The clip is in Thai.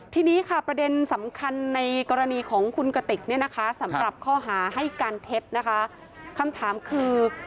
ทีนี้ประเด็นสำคัญในกรณีของคุณกะติกสำหรับข้อหาให้การเท็จคำถามคือ